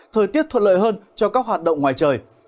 thời tiết thuận lợi hơn cho các hoạt động ngoài trời